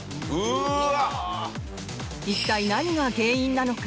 一体、何が原因なのか？